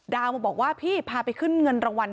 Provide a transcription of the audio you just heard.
มาบอกว่าพี่พาไปขึ้นเงินรางวัล